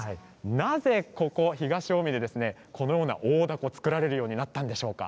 なぜ、ここ東近江で大だこが作られるようになったんでしょうか。